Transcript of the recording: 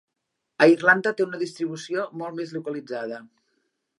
A Irlanda té una distribució molt més localitzada.